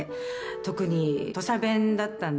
特に土佐弁だったんで。